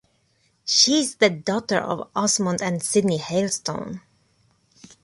She is the daughter of Osmund and Sydney Hailstone.